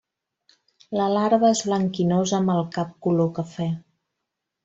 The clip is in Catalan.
La larva és blanquinosa amb el cap color cafè.